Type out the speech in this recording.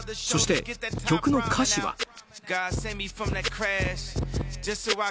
そして曲の歌詞は。